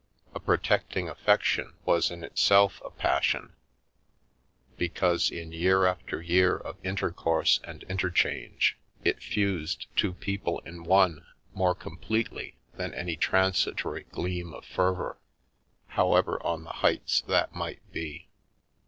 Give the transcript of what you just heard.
A protecting affection was in itself a passion, because, in year after year of intercourse and interchange, it fused two people in one more completely than any transitory gleam of fervour, however on the heights that might be.